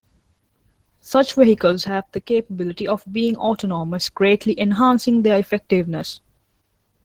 Such vehicles have the capability of being autonomous, greatly enhancing their effectiveness.